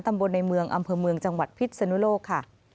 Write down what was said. ตำบลในเมืองอำเภอเมืองจังหวัดพิษสนุโลกค่ะ